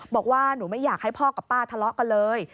บอกว่าหนูไม่อยากให้พ่อกับป้าทะเลาะกันเลย